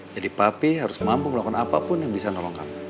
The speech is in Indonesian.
jadi papi harus mampu melakukan apapun yang bisa nolong kamu